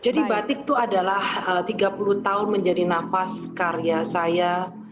jadi batik itu adalah tiga puluh tahun menjadi nafas karya saya